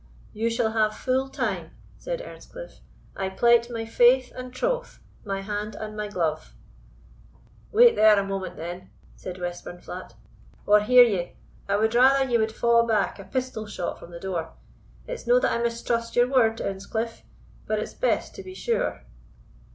"You shall have full time," said Earnscliff; "I plight my faith and troth, my hand and my glove." "Wait there a moment, then," said Westburnflat; "or hear ye, I wad rather ye wad fa' back a pistol shot from the door. It's no that I mistrust your word, Earnscliff; but it's best to be sure."